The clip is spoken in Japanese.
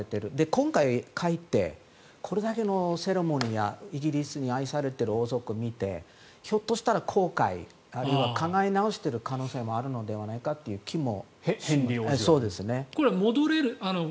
今回、帰ってこれだけのセレモニーやイギリスに愛されている王室を見てひょっとしたら後悔あるいは考え直している可能性もあるのではという気も。